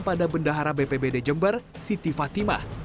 pada bendahara bpbd jember siti fatimah